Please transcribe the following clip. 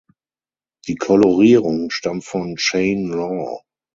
Die Kolorierung stammt von Shane Law.